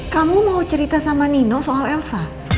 kamu mau cerita sama nino soal elsa